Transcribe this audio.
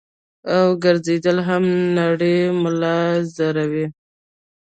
او ګرځېدل هم نرۍ ملا زوري -